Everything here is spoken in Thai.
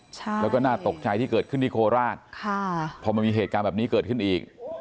ใช่แล้วก็น่าตกใจที่เกิดขึ้นที่โคราชค่ะพอมันมีเหตุการณ์แบบนี้เกิดขึ้นอีก